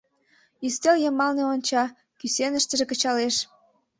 Ӱстел йымалне онча, кӱсеныштыже кычалеш.